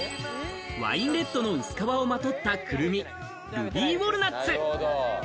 ワインレッドの薄皮をまとったくるみ、ルビーウォルナッツ。